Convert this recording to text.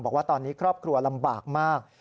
บอกว่าตอนนี้ครอบครัวลำบากมาก